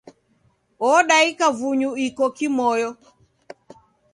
Odaika vunyu iko kimoyo.